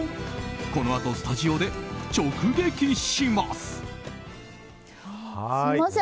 このあとスタジオで直撃します。